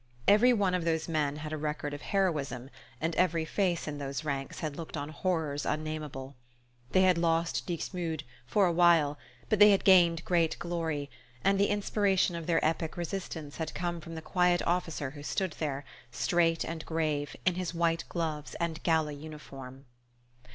Every one of those men had a record of heroism, and every face in those ranks had looked on horrors unnameable. They had lost Dixmude for a while but they had gained great glory, and the inspiration of their epic resistance had come from the quiet officer who stood there, straight and grave, in his white gloves and gala uniform.